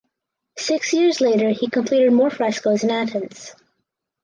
Six years later he completed more frescos in Athens.